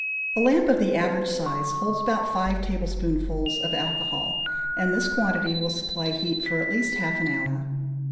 A lamp of the average size holds about five tablespoonfuls of alcohol, and this quantity will supply heat for at least half an hour.